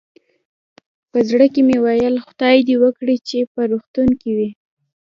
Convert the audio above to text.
په زړه کې مې ویل، خدای دې وکړي چې په روغتون کې وي.